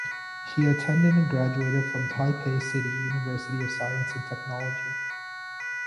He attended and graduated from Taipei City University of Science and Technology.